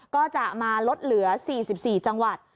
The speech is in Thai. ก็จะมาลดเหลือ๔๔จังหวัด